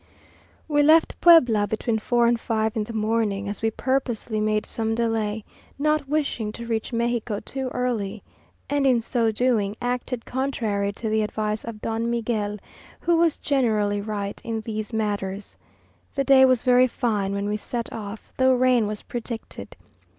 We left Puebla between four and five in the morning, as we purposely made some delay, not wishing to reach Mexico too early; and in so doing, acted contrary to the advice of Don Miguel, who was generally right in these matters. The day was very fine when we set off, though rain was predicted.